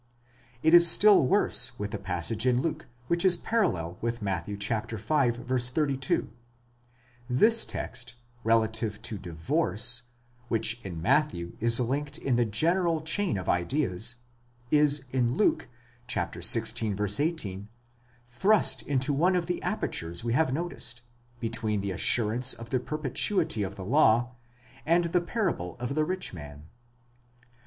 ° It is still worse with the passage in Luke which is parallel with Matt. v. 32; this text (relative to divorce), which in Matthew is linked in the general chain of ideas, 1s in Luke (xvi. 18) thrust into one of the apertures we have noticed, between the assurance of the perpetuity of the law and the parable of the rich man.